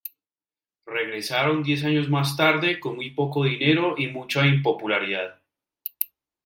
Regresaron diez años más tarde con muy poco dinero y mucha impopularidad.